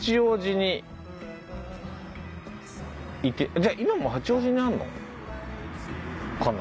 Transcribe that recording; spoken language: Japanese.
じゃあ今も八王子にあるのかな？